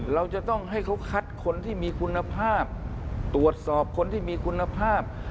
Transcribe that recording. เราจะต้องให้เขาคัดคนที่มีคุณภาพตรวจสอบคนที่มีคุณภาพ